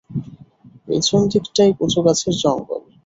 পেছন দিকটায় কচু গাছের জঙ্গল।